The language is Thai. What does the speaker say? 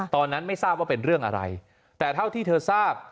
ไม่ทราบว่าเป็นเรื่องอะไรแต่เท่าที่เธอทราบ